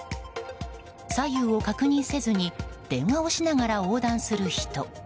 左右を確認せずに電話をしながら横断する人。